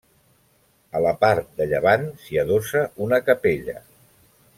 A la part de llevant s'hi adossa una capella.